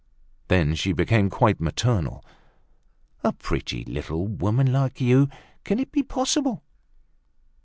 Then she became quite maternal. "A pretty little woman like you! Can it be possible?